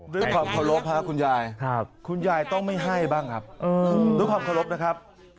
ด้วยความขอบคลบคุณยายคุณยายต้องไม่ให้บ้างครับด้วยความขอบคลบนะครับ